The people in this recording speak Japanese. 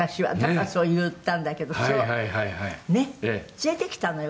「連れてきたのよ